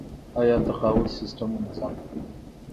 آیا تقاعد سیستم منظم دی؟